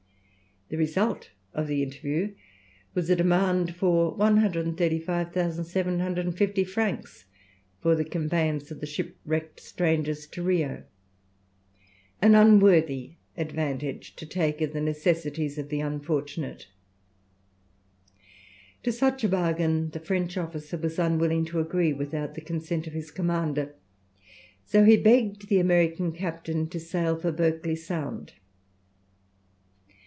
The result of the interview was a demand for 135,750 francs for the conveyance of the shipwrecked strangers to Rio an unworthy advantage to take of the necessities of the unfortunate. To such a bargain the French officer was unwilling to agree without the consent of his commander; so he begged the American captain to sail for Berkeley Sound.